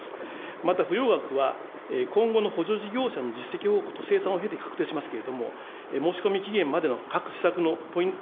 また付与額は、今後の補助事業者の実績報告と生産を経て確定しますけれども、申し込み期限までの各施策のポイント